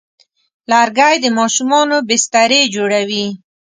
لرګی د ماشومانو بسترې جوړوي.